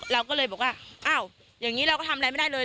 เราก็เลยบอกว่าอ้าวอย่างนี้เราก็ทำอะไรไม่ได้เลย